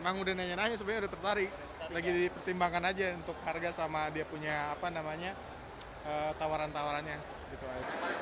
emang udah nanya nanya sebenarnya udah tertarik lagi dipertimbangkan aja untuk harga sama dia punya apa namanya tawaran tawarannya gitu aja